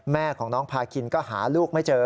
แม่ของน้องพาคินก็หาลูกไม่เจอ